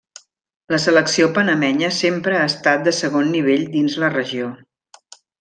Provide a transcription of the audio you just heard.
La selecció panamenya sempre ha estat de segon nivell dins la regió.